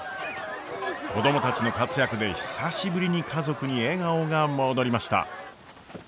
子供たちの活躍で久しぶりに家族に笑顔が戻りました。